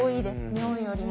日本よりも。